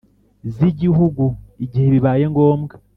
z’Igihugu igihe bibaye ngombwa.